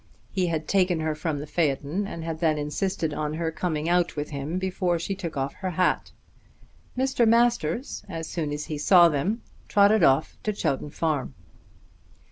He had taken her from the phaeton and had then insisted on her coming out with him before she took off her hat. Mr. Masters as soon as he saw them trotted off to Chowton Farm.